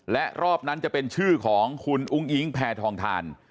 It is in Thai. และรอบนั้นจะเป็นชื่อของคุณอุ้งอิงแพทองทาน